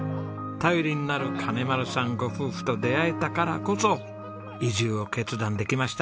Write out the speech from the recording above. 頼りになる金丸さんご夫婦と出会えたからこそ移住を決断できました。